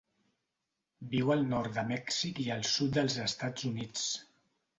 Viu al nord de Mèxic i el sud dels Estats Units.